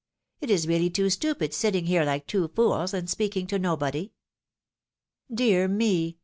It is really too stupid sitting here like two fools, and speaking to nobody." " Dear me